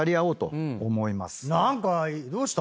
何かどうした？